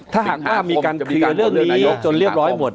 ถ้าหากว่ามีการเคลียร์เรื่องนี้จนเรียบร้อยหมด